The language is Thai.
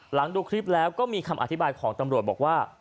ดูคลิปแล้วก็มีคำอธิบายของตำรวจบอกว่า